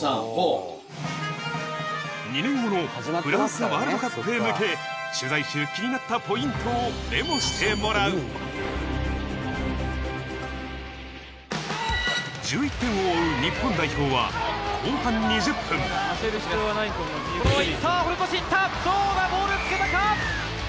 ２年後のフランスワールドカップへ向け取材中気になったポイントをメモしてもらう１１点を追う日本代表は後半２０分どうだボールつけたか？